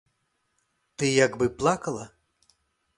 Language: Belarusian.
Ты як бы плакала?